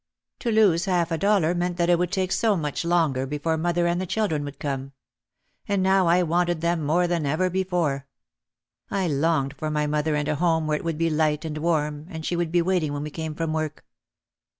To lose half a dollar meant that it would take so much longer before mother and the children would come. And now I wanted them more than ever before. I longed for my mother and a home where it would be light and warm and she would be waiting when we came from work.